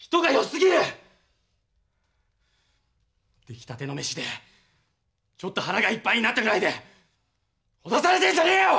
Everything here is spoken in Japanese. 出来たての飯でちょっと腹がいっぱいになったぐらいでほだされてんじゃねえよ！